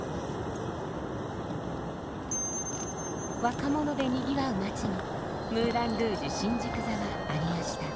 若者でにぎわう街にムーラン・ルージュ新宿座はありました。